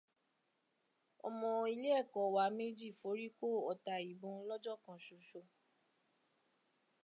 Ọmọ ilé ẹ̀kọ́ wa méjì fórí kó ọta ìbọn lọ́jọ́ kan ṣoṣo.